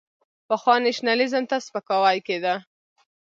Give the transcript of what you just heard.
پخوا نېشنلېزم ته سپکاوی کېده.